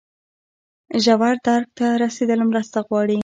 ژور درک ته رسیدل مرسته غواړي.